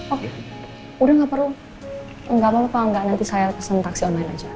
oh udah gak perlu enggak apa apa mbak nanti saya pesen taksi online aja